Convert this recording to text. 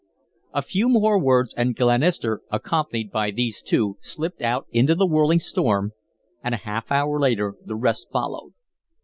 A few more words and Glenister, accompanied by these two, slipped out into the whirling storm, and a half hour later the rest followed.